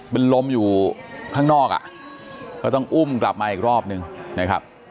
เป็นลมอยู่ข้างนอกอ่ะก็ต้องอุ้มกลับมาอีกรอบนึงนะครับ